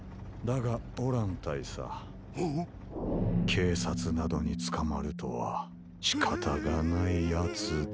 けいさつなどにつかまるとはしかたがないヤツだ。